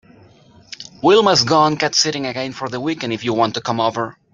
Wilma’s gone cat sitting again for the weekend if you want to come over.